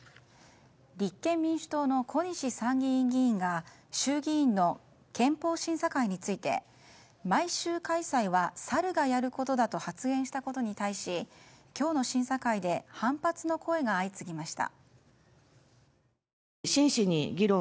立憲民主党の小西参議院議員が衆議院の憲法審査会について毎週開催はサルがやることだと発言したことに対し今日の審査会で反発の声が相次ぎました。